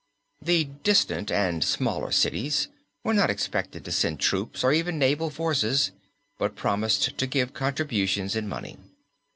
The distant and smaller cities were not expected to send troops or even naval forces but promised to give contributions in money.